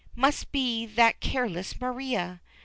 It must be that careless Maria.